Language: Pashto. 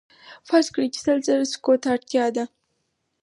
فرض کړئ چې سل زره سکو ته اړتیا ده